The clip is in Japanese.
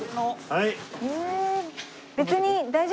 はい。